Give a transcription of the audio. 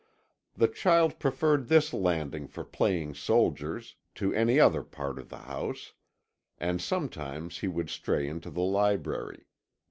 The child preferred this landing for playing soldiers to any other part of the house, and sometimes he would stray into the library.